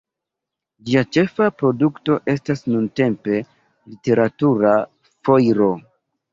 Ĝia ĉefa produkto estas nuntempe "Literatura Foiro".